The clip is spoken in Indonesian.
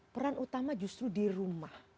peran utama justru di rumah